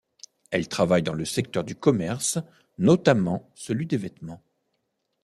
Elle travaille dans le secteur du commerce, notamment celui des vêtements.